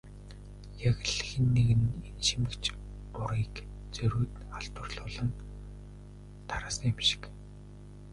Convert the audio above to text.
Яг л хэн нэг нь энэ шимэгч урыг зориуд халдварлуулан тараасан юм шиг.